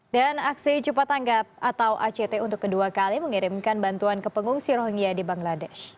dan aksi cepat tanggap atau act untuk kedua kali mengirimkan bantuan ke pengungsi rohingya di bangladesh